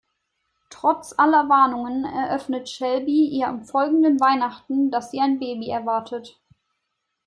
Trotz aller Warnungen eröffnet Shelby ihr am folgenden Weihnachten, dass sie ein Baby erwartet.